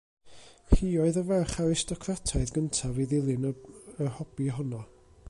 Hi oedd y ferch aristocrataidd gyntaf i ddilyn yr hobi honno.